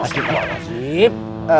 terima kasih